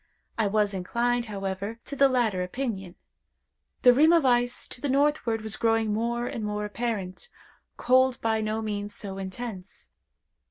I was inclined, however, to the latter opinion. The rim of ice to the northward was growing more and more apparent. Cold by no means so intense.